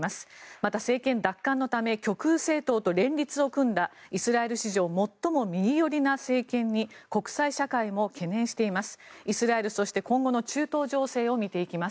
また、政権奪還のため極右政党と連立を組んだイスラエル史上最も右寄りな政権に国際社会も懸念しています。